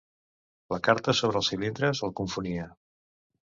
La carta sobre els cilindres el confonia.